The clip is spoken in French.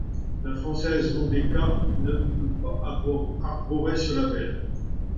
La française Mont des Cats ne peut pas arborer ce label.